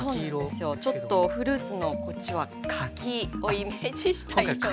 ちょっとフルーツのこっちは柿をイメージした色に。